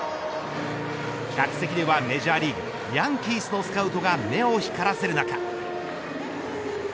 客席ではメジャーリーグヤンキースのスカウトが目を光らせる中。